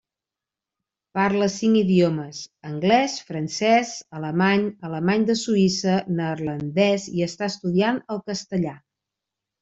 Parla cinc idiomes: anglès, francès, alemany, alemany de Suïssa, neerlandès i està estudiant el castellà.